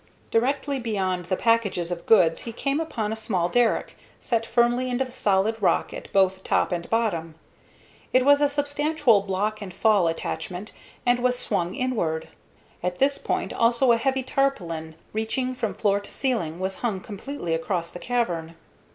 Directly beyond the packages of goods he came upon a small derrick, set firmly into the solid rock at both top and bottom. It had a substantial block and fall attachment, and was swung inward. At this point also a heavy tarpaulin, reaching from floor to ceiling, was hung completely across the cavern.